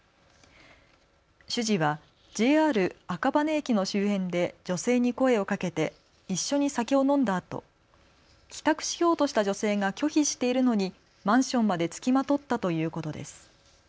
主事はＪＲ赤羽駅の周辺で女性に声をかけて一緒に酒を飲んだあと帰宅しようとした女性が拒否しているのにマンションまで付きまとったということです。